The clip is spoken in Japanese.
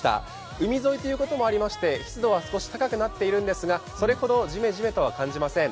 海沿いということもありまして湿度は少し高くなっているんですが、それほどジメジメとは感じません。